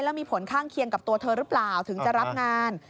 แล้วมีผลข้างเคียงกับตัวเธอหรือเปล่าถึงจะรับงาน